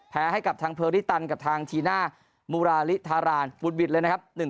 แพ้ให้กับทางเผลอริตันกับทางทีน่ามุราฬิธาราณวุดวิทย์เลยนะครับ